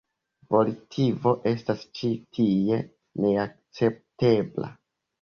Volitivo estas ĉi tie neakceptebla.